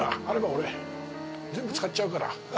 あれば俺全部使っちゃうから。